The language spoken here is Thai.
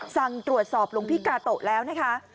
สั่งตรวจสอบหลวงพี่กาโตะแล้วนะคะ